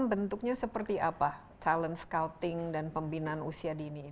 bentuknya seperti apa talent scouting dan pembinaan usia dini